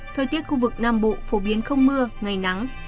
thời tiết khu vực nam bộ phổ biến không mưa ngày nắng